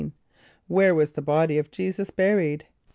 = Where was the body of J[=e]´[s+]us buried?